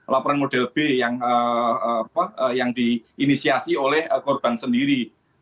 laporan model b yang diinisiasi oleh korban sendiri